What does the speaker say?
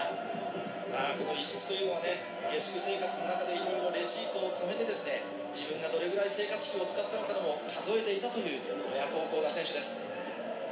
伊地知というのは下宿生活でレシートをためて自分がどれぐらい生活費を使ったのか数えていたという親孝行な選手です。